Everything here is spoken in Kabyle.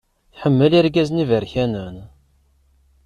Tḥemmel irgazen iberkanen.